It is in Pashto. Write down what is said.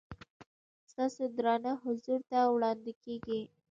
ستاسو درانه حضور ته وړاندې کېږي.